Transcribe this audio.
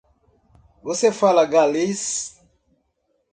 Você fala galês?